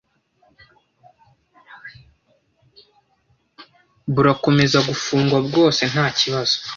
burakomeza gufungwa bwose ntakibazo